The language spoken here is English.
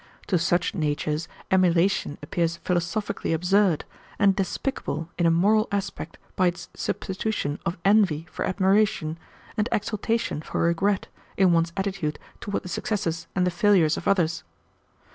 To such natures emulation appears philosophically absurd, and despicable in a moral aspect by its substitution of envy for admiration, and exultation for regret, in one's attitude toward the successes and the failures of others.